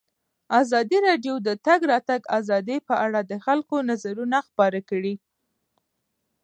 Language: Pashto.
ازادي راډیو د د تګ راتګ ازادي په اړه د خلکو نظرونه خپاره کړي.